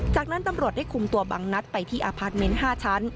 จากนั้นตำรวจได้คุมตัวบังนัดไปที่อพาร์ทเมนต์๕ชั้น